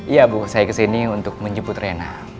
iya bu saya ke sini untuk menjemput rena